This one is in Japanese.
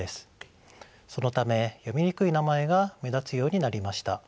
そのため読みにくい名前が目立つようになりました。